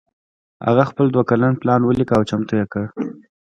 هغه خپل دوه کلن پلان وليکه او چمتو يې کړ.